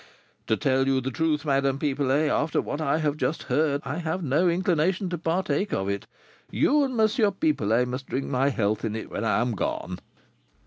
"To tell you the truth, Madame Pipelet, after what I have just heard I have no inclination to partake of it. You and M. Pipelet must drink my health in it when I am gone."